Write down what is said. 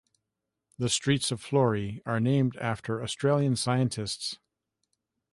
The streets of Florey are named after Australian scientists.